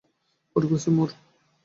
কঠোর পরিশ্রম ওর!